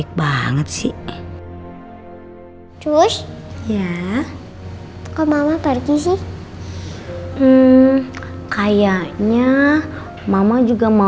gue jadi ibu see u lagi gitu